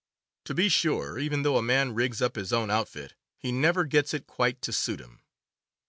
To be sure, even though a man rigs up his own out fit, he never gets it quite to suit him.